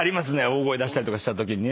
大声出したりとかしたときにね。